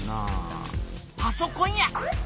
パソコンや！